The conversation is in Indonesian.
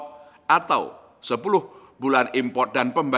selain dapat mendapatkan net inflow yang tepat